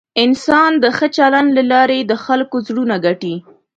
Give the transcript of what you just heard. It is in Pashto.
انسان د ښه چلند له لارې د خلکو زړونه ګټي.